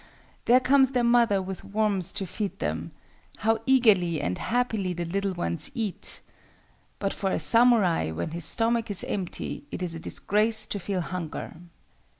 there comes their mother with worms to feed them. How eagerly and happily the little ones eat! but for a samurai, when his stomach is empty, it is a disgrace to feel hunger."